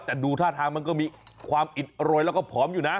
แต่ดูท่าทางมันก็มีความอิดโรยแล้วก็ผอมอยู่นะ